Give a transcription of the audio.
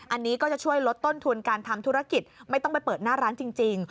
อันนี้ก็จะช่วยลดต้นทุนการทำธุรกิจไม่ต้องไปเปิดหน้าร้านจริง